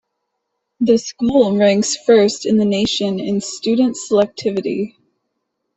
The School ranks first in the nation in student selectivity.